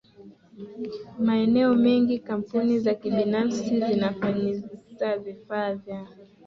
maeneo mengi kampuni za kibinafsi zinafanyiza vifaa vya